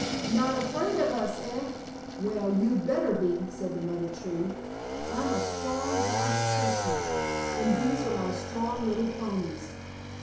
"Not afraid of us, eh? Well, you'd better be!" said the mother tree. "I'm a strong horse chestnut and these are my strong little ponies.